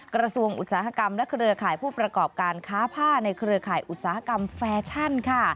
กระทรวงอุตสาหกรรมและเครือข่ายผู้ประกอบการค้าผ้าในเครือข่ายอุตสาหกรรมแฟชั่นค่ะ